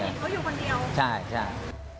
นี่เขาอยู่คนเดียวใช่